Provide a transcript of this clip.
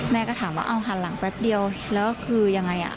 แม่ก็ถามว่าเอาหันหลังแป๊บเดียวแล้วคือยังไงอ่ะ